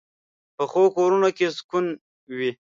پخو کورونو کې سکون وي